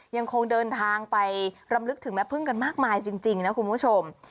ยังคงเดินทางไปรำลึกถึงแม่พึ่งกันมากมายจริงนะคุณผู้ชม